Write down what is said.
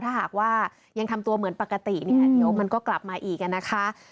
ถ้าหากว่ายังทำตัวเหมือนปกติเนี่ยเดี๋ยวมันก็กลับมาอีกนะคะ